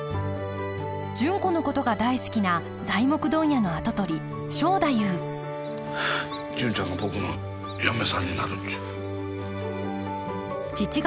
純子のことが大好きな材木問屋の跡取り正太夫純ちゃんが僕の嫁さんになるっちゅう。